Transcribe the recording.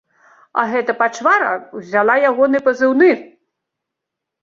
А гэта пачвара ўзяла ягоны пазыўны!